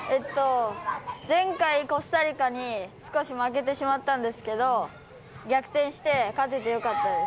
前回コスタリカに少し負けてしまったんですけれども逆転して勝ててよかったです。